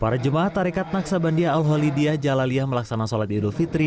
para jemaah tarikat naksabandia al halidiyah jalaliyah melaksana solat idul fitri